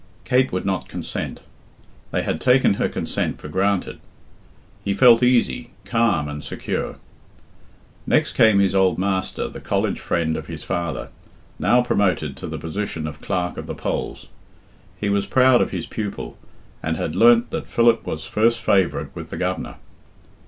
Kate would not consent. They had taken her consent for granted. He felt easy, calm, and secure. Next came his old master, the college friend of his father, now promoted to the position of Clerk of the Polls. He was proud of his pupil, and had learnt that Philip was first favourite with the Governor.